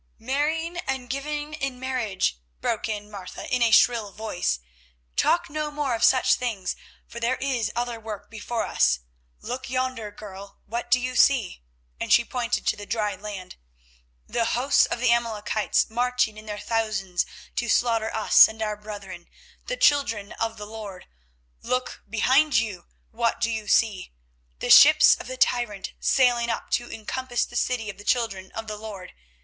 "Marrying and giving in marriage!" broke in Martha in a shrill voice. "Talk no more of such things, for there is other work before us. Look yonder, girl, what do you see?" and she pointed to the dry land. "The hosts of the Amalekites marching in their thousands to slaughter us and our brethren, the children of the Lord. Look behind you, what do you see? The ships of the tyrant sailing up to encompass the city of the children of the Lord.